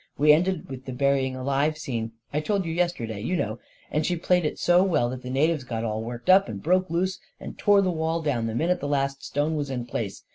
We ended with the burying alive scene — I told you yesterday, you know; and she played it so well that the natives got all worked up and broke loose and tore the wall down the minute the last stone was in place.